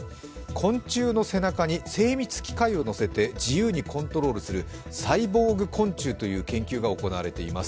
昆虫の背中に精密機械を載せて自由にコントロールするサイボーグ昆虫という研究が行われています。